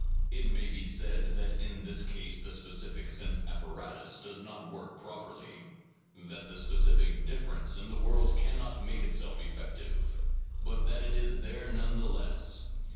It may be said that in this case the specific sense apparatus does not work properly, that the specific difference in the world cannot make itself effective, but that it is there none the less.